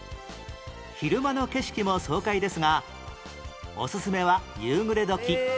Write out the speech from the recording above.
昼間の景色も爽快ですがオススメは夕暮れ時